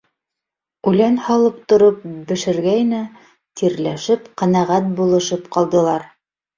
Үлән һалып тороп бешергәйне, тирләшеп, ҡәнәғәт булышып ҡалдылар.